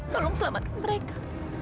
tolong selamatkan mereka